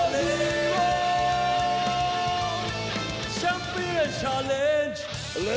มีความรู้สึกว่า